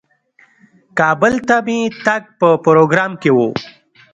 کابل ته مې تګ په پروګرام کې و.